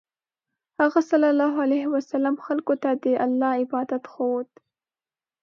هغه ﷺ خلکو ته د الله عبادت ښوود.